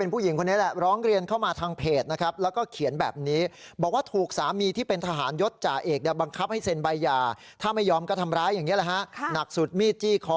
คุณร้องก็ทำร้ายอย่างนี้แหละครับหนักสุดมีดจี้คอ